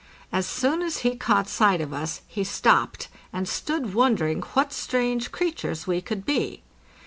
As soon as he caught sight of us, he stopped and stood wondering what strange creatures we could be.